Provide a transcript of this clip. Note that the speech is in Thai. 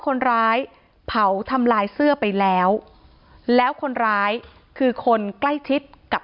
คนร้ายเผาทำลายเสื้อไปแล้วแล้วคนร้ายคือคนใกล้ชิดกับ